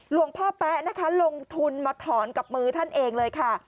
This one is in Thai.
หลวงพ่อแป๊ะนะคะลงทุนมาถอนกับมือท่านเองเลยค่ะ